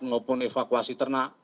maupun evakuasi ternak